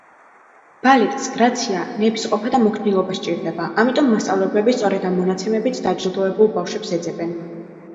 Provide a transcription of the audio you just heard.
ბალეტს გრაცია, ნებისყოფა და მოქნილობა სჭირდება, ამიტომ მასწავლებლები სწორედ ამ მონაცემებით დაჯილდოებულ ბავშვებს ეძებენ.